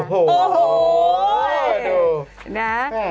โอ้โหดู